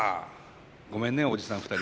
ごめんねおじさん２人。